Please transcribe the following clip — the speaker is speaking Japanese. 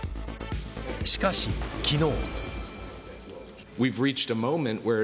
しかし、昨日。